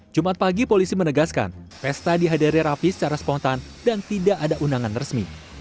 jumat pagi polisi menegaskan pesta dihadiri rafi secara spontan dan tidak ada undangan resmi